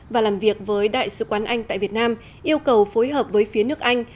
và làm việc với đại sứ quán anh tại việt nam yêu cầu phối hợp với phía nước anh